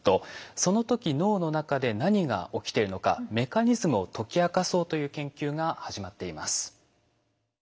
その時脳の中で何が起きてるのかメカニズムを解き明かそうという研究が始まっています。